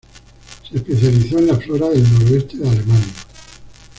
Se especializó en la flora del noroeste de Alemania.